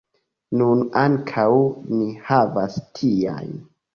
Nun ankaŭ ni havas tiajn.